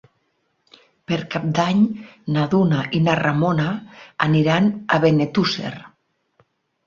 Per Cap d'Any na Duna i na Ramona aniran a Benetússer.